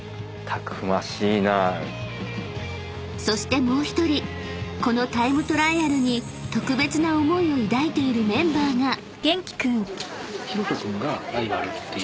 ［そしてもう１人このタイムトライアルに特別な思いを抱いているメンバーが］